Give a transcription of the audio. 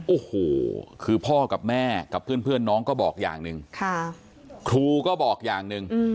โอ้โหคือพ่อกับแม่กับเพื่อนน้องก็บอกอย่างหนึ่งครูก็บอกอย่างหนึ่ง